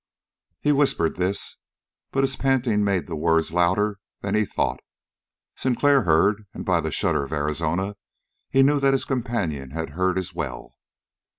He whispered this, but his panting made the words louder than he thought. Sinclair heard; and by the shudder of Arizona, he knew that his companion had heard as well.